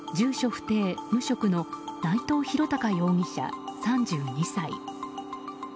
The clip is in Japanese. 不定・無職の内藤大貴容疑者、３２歳。